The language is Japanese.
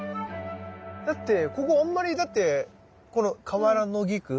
だってここあんまりだってこのカワラノギク？